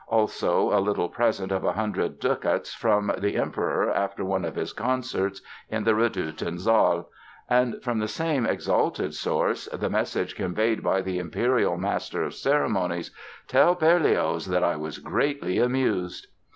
Also, a little present of a hundred ducats from the Emperor after one of his concerts in the Redouten Saal; and, from the same exalted source, the message, conveyed by the Imperial master of ceremonies: "Tell Berlioz that I was greatly amused"!